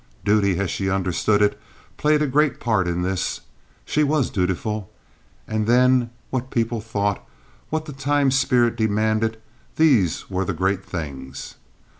Duty, as she understood it, played a great part in this. She was dutiful. And then what people thought, what the time spirit demanded—these were the great things.